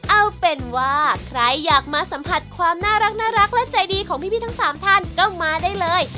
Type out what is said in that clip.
เอาเป็นว่าใครอยากมาสัมผัสความน่ารักและใจดีของพี่ทั้ง๓ท่านก็มาได้เลย